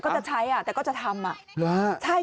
กินให้ดูเลยค่ะว่ามันปลอดภัย